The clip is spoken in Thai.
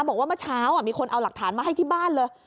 บอกว่าเมื่อเช้ามีคนเอาหลักฐานมาให้ที่บ้านเลย